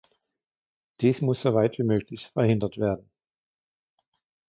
Dies muss soweit wie möglich verhindert werden.